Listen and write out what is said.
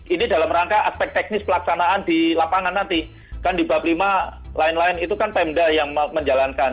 ini dalam rangka aspek teknis pelaksanaan di lapangan nanti kan di baprima lain lain itu kan pemda yang menjalankan